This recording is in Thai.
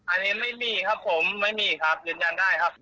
อันนี้ไม่มีครับผมไม่มีครับยืนยันได้ครับ